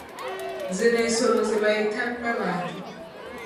Zino ensolo ze bayita nnabantu.